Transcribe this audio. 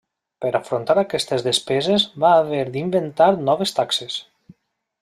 Per afrontar aquestes despeses va haver d'inventar noves taxes.